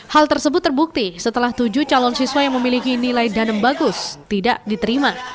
hal tersebut terbukti setelah tujuh calon siswa yang memiliki nilai danem bagus tidak diterima